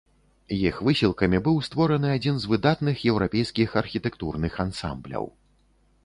Іх высілкамі быў створаны адзін з выдатных еўрапейскіх архітэктурных ансамбляў.